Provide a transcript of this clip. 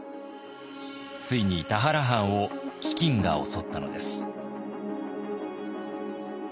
ついに田原藩を飢饉が襲ったのです。